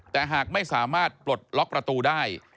แต่หากไม่สามารถปลดล็อกประตูได้